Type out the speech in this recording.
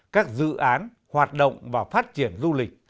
các dự án hoạt động và phát triển du lịch